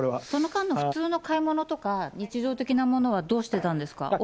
その間の普通の買い物とか、日常的なものはどうしてたんですか？